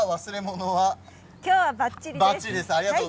今日は、ばっちりです。